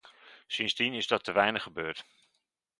Sindsdien is dat te weinig gebeurd.